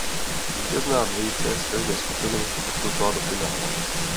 Vítězná dvojice z každé skupiny postoupila do finále.